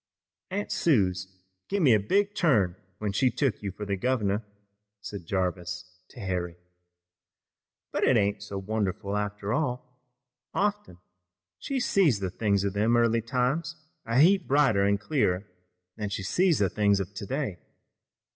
"Aunt Suse give me a big turn when she took you fur the governor," said Jarvis to Harry, "but it ain't so wonderful after all. Often she sees the things of them early times a heap brighter an' clearer than she sees the things of today.